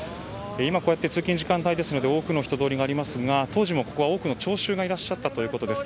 今は通勤時間帯ですので多くの人通りがありますが当時もここは多くの聴衆がいらっしゃったということです。